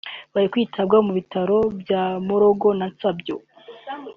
bari kwitabwaho mu Bitaro bya Mulago na Nsambya